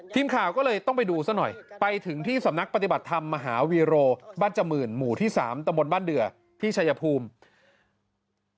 ทีมข่าวก็เลยต้องไปดูซะหน่อยไปถึงที่สำนักปฏิบัติธรรมมหาวีโรบ้านจมื่นหมู่ที่๓ตะบนบ้านเดือที่ชายภูมิ